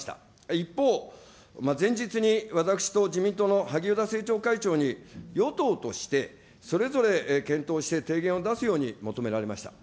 一方、前日に私と自民党の萩生田政調会長に、与党としてそれぞれ検討して提言を出すように求められました。